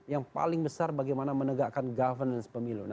yang paling besar bagaimana menegakkan governance pemilu